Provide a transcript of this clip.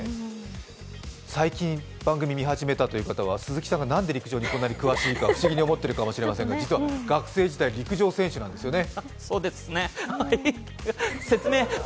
最近、番組を見始めたという方は鈴木さんが、なんで陸上にこんなに詳しいか不思議に思ってるかもしれませんが、実は学生時代、陸上選手なんですよね？